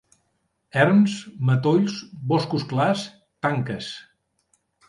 Erms, matolls, boscos clars, tanques.